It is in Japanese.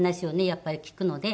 やっぱり聞くので。